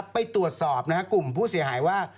ไปตรวจสอบกลุ่มผู้เสียหายว่า